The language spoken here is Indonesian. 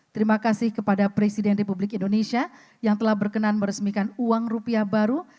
terima kasih kepada presiden republik indonesia yang telah berkenan meresmikan uang rupiah baru